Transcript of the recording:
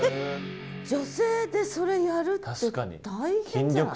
女性でそれやるって大変じゃない？